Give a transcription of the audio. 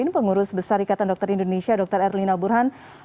pengurus besar ikatan dokter indonesia dr erlina burhan